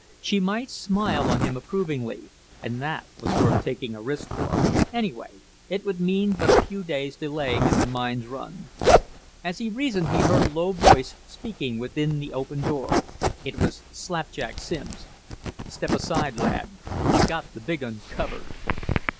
She might smile on him approvingly, and that was worth taking a chance for anyway it would mean but a few days' delay in the mine's run. As he reasoned he heard a low voice speaking within the open door. It was Slapjack Simms. "Step aside, lad. I've got the big un covered."